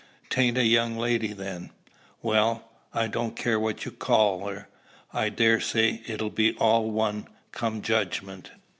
"'Tain't a young lady, then? Well, I don't care what you call her. I dare say it'll be all one, come judgment.